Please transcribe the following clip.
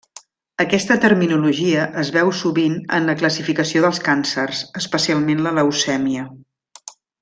Aquesta terminologia es veu sovint en la classificació dels càncers, especialment la leucèmia.